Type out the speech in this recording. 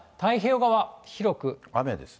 雨ですね。